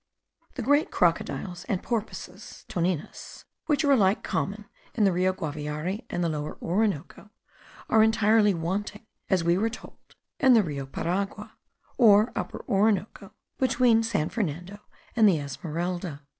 The great crocodiles and porpoises (toninas) which are alike common in the Rio Guaviare and the Lower Orinoco, are entirely wanting, as we were told, in the Rio Paragua (or Upper Orinoco, between San Fernando and the Esmeralda).